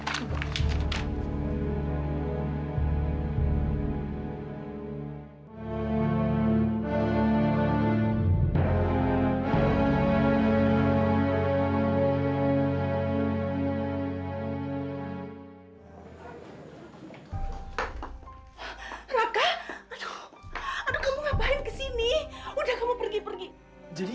astaga perusahaan sakti